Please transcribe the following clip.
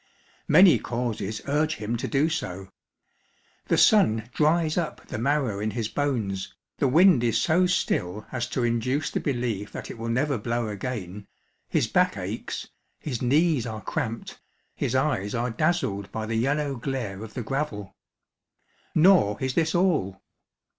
Many causes urge him to do so. The sun dries up the marrow in his bones, the wind is so still as to induce the belief that it will never blow again, his back aches, his knees are cramped, his eyes are dazzled by the yellow glare of the gravel. Nor is this all.